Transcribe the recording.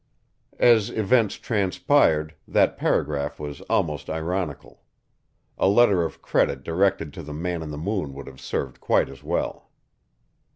As events transpired, that paragraph was almost ironical. A letter of credit directed to the Man in the Moon would have served quite as well.